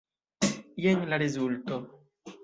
Jen la rezulto.